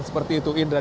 seperti itu indra